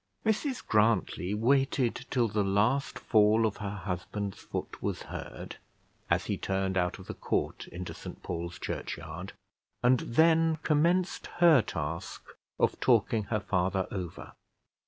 Mrs Grantly waited till the last fall of her husband's foot was heard, as he turned out of the court into St Paul's Churchyard, and then commenced her task of talking her father over.